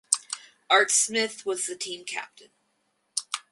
Art Smith was the team captain.